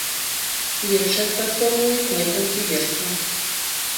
Следчыя адпрацоўваюць некалькі версій.